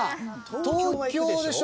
東京でしょ。